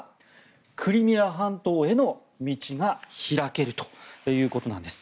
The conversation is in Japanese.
クリミア半島への道が開けるということなんです。